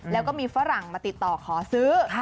แล้วก็มีฝรั่งมาติดต่อขอซื้อ